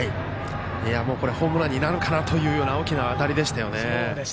ホームランになるかなというような大きな当たりでしたね。